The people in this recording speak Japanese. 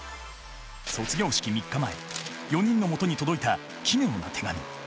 卒業式３日前４人のもとに届いた奇妙な手紙。